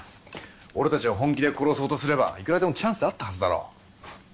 俺たちを本気で殺そうとすればいくらでもチャンスはあったはずだろ。